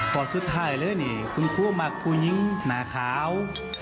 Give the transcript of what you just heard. พอสุดท้ายเลยนี่คุณครูมากคุณยิ่งหน้าขาว